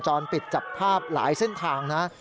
จรปิดจับภาพหลายเส้นทางนะ